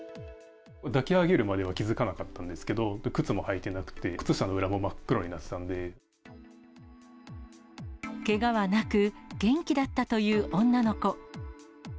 抱き上げるまでは気付かなかったんですけど、靴も履いてなくて、けがはなく、元気だったという女の子。